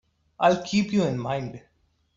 I'll keep you in mind.